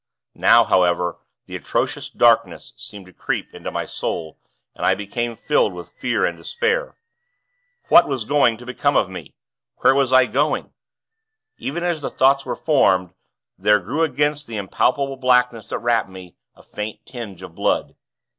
Now however the atrocious darkness seemed to creep into my soul, and I became filled with fear and despair. What was going to become of me? Where was I going? Even as the thoughts were formed, there grew against the impalpable blackness that wrapped me a faint tinge of blood.